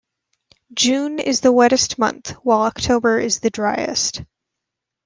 June is the wettest month while October is the driest.